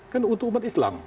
kan untuk umat islam